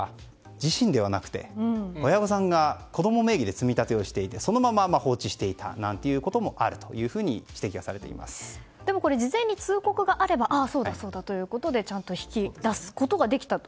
自身ではなくて親御さんが子供名義で積み立てをしていて、そのまま放置していたこともあるとでも事前に通告があればああ、そうだと引き出すことができたと。